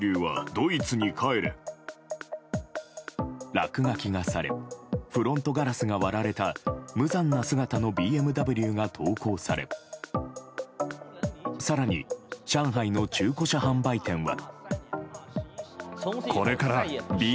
落書きがされフロントガラスが割られた無残な姿のＢＭＷが投稿され更に上海の中古車販売店は。